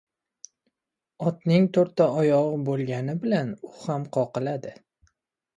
• Otning to‘rtta oyog‘i bo‘lgani bilan u ham qoqiladi.